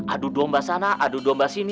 aduh domba sana aduh domba sini